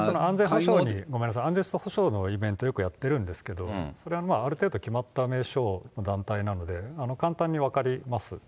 安全保障のイベント、よくやってるんですけど、それはまあある程度決まった名称の団体なので、簡単に分かります。